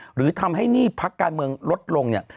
หรือทำให้หนี้พักการเมืองลดลงเนี่ย